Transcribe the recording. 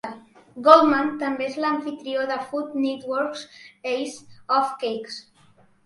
Goldman també és l'amfitrió de "Food Network's Ace of Cakes".